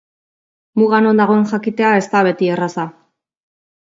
Muga non dagoen jakitea ez da beti erraza.